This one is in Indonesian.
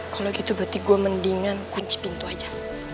kalo gitu berarti gua mendingan kunci pintu aja